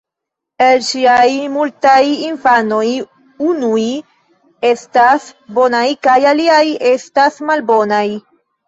El ŝiaj multaj infanoj unuj estas bonaj kaj aliaj estas malbonaj.